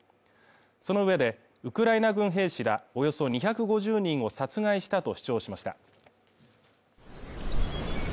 その上で、ウクライナ軍兵士らおよそ２５０人を殺害したと主張しました。